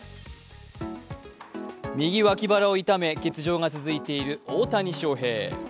右脇腹を痛め欠場が続いている大谷翔平。